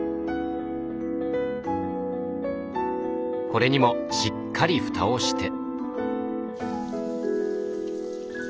これにもしっかりふたをして。